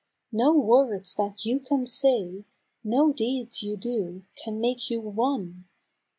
No words that you can say, — no deeds you do Can make you one